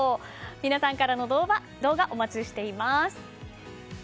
皆さんからの動画お待ちしています。